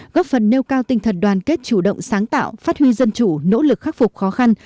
góp phần nêu cao tinh thần đoàn kết chủ động sáng tạo phát huy dân chủ nỗ lực khắc phục khó khăn